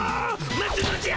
待つのじゃ。